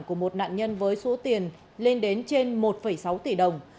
của một nạn nhân với số tiền lên đến trên một sáu tỷ đồng